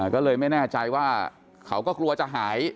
ก็เลยไม่แน่ใจว่าเขาก็กลัวจะหาย